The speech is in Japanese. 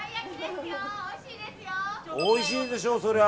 おいしいでしょ、そりゃ。